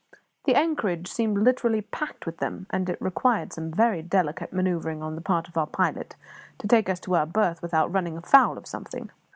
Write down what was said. The anchorage seemed literally packed with them; and it required some very delicate manoeuvring on the part of our pilot to take us to our berth without running foul of something.